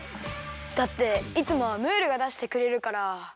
だっていつもはムールがだしてくれるから。